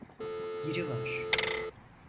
Biri var.